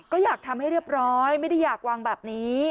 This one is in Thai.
ก็อยากทำให้เรียบร้อยไม่ได้อยากวางแบบนี้